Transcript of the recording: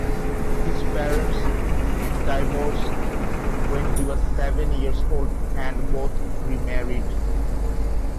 His parents divorced when he was seven years old and both remarried.